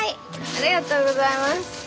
ありがとうございます。